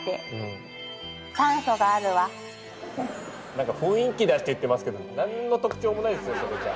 なんか雰囲気出して言ってますけど何の特徴もないですよそれじゃ。